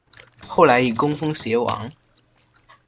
后来以功封偕王。